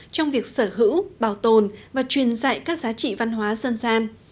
trong việc sở hữu bảo tồn và truyền dạy các giá trị văn hóa dân gian